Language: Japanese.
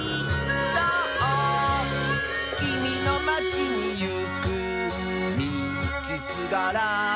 「きみのまちにいくみちすがら」